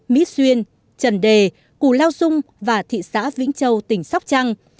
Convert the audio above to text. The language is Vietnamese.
mỹ xuyên trần đề cù lao dung và thị xã vĩnh châu tỉnh sóc trăng